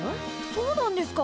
そうなんですか？